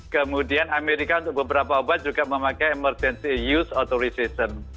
kemudian amerika untuk beberapa obat juga memakai emergency use authorization